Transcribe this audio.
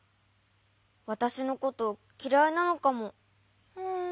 わたしのこときらいなのかも。